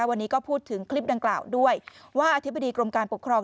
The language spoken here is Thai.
วันนี้ก็พูดถึงคลิปดังกล่าวด้วยว่าอธิบดีกรมการปกครอง